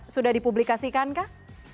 sudah dipublikasikan kah